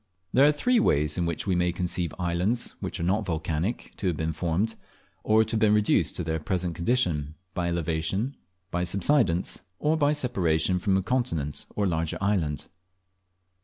There are three ways in which we may conceive islands which are not volcanic to have been formed, or to have been reduced to their present condition, by elevation, by subsidence, or by separation from a continent or larger island.